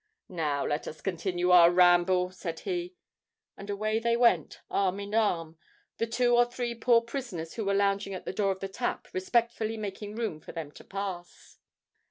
"Now let us continue our ramble," said he;—and away they went, arm in arm, the two or three poor prisoners who were lounging at the door of the Tap respectfully making room for them to pass.